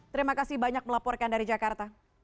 terima kasih banyak melaporkan dari jakarta